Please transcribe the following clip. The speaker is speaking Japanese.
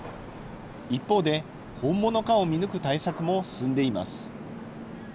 一方で、本物かを見抜く対策も進んでいます。